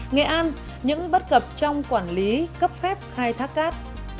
nghệ an những bất cập trong quản lý cấp phép khai thác cát